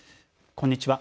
こんにちは。